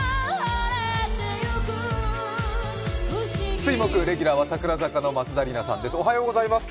水・木レギュラーは桜坂の松田里奈さんです。